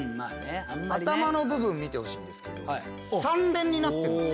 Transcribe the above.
頭の部分見てほしいんですけど３連になってるんです。